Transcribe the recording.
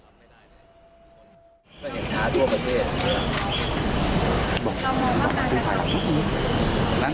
สะเย็นท้าทั่วประเทศ